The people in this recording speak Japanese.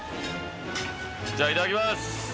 じゃあいただきます。